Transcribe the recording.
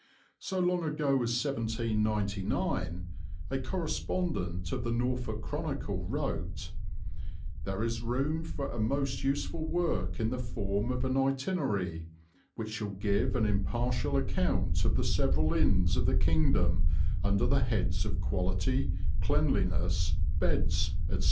So long ago as 1799 a correspondent of the Norfolk Chronicle wrote: "There is room for a most useful work in the form of an itinerary, which shall give an impartial account of the several inns of the kingdom under the heads of quality, cleanliness, beds," etc.